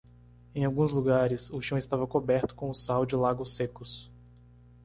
Em alguns lugares, o chão estava coberto com o sal de lagos secos.